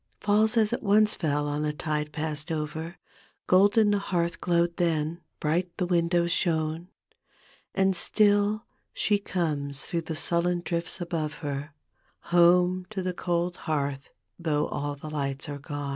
Falls as it once fell on a tide past over, Golden the hearth glowed then, bright the windows shone ; And still, she comes through the sullen drifts above her Home to the cold bcaith though all the lights are gone.